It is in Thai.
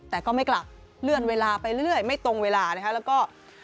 แต่ก็ไม่กลับเลื่อนเวลาไปเรื่อยไม่ตรงเวลานะคะแล้วก็